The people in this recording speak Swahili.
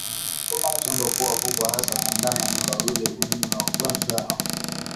Tumbo kuwa kubwa hasa kwa ndama ni dalili muhimu ya ugonjwa wa minyoo